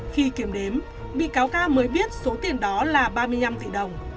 khi kiểm đếm bị cáo ca mới biết số tiền đó là ba mươi năm tỷ đồng